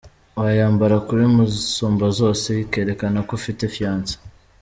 Wayambara kuri musumbazose ikerekana ko ufite fiance,.